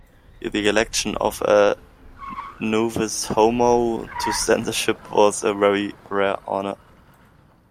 The election of a "novus homo" to censorship was a very rare honour.